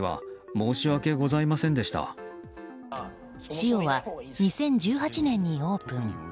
ｓｉｏは２０１８年にオープン。